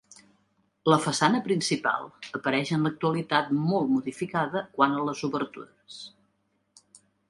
La façana principal apareix en l'actualitat molt modificada quant a les obertures.